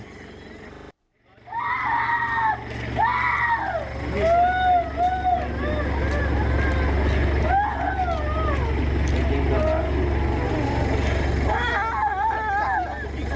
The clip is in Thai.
พูดเสีย